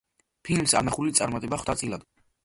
ფილმს არნახული წარმატება ხვდა წილად.